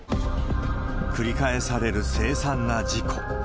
繰り返される凄惨な事故。